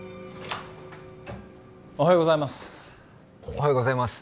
おはようございます